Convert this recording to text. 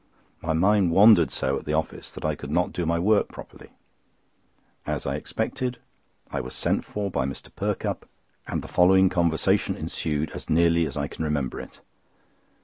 My mind wandered so at the office that I could not do my work properly. As I expected, I was sent for by Mr. Perkupp, and the following conversation ensued as nearly as I can remember it.